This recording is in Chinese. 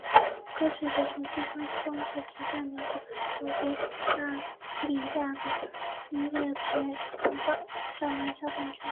歌曲的重新发布帮助其在美国和澳大利亚的音乐排行榜上拿下冠军。